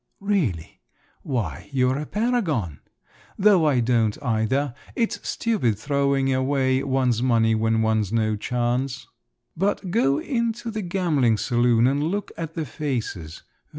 "Really? Why, you're a paragon. Though I don't either. It's stupid throwing away one's money when one's no chance. But go into the gambling saloon, and look at the faces.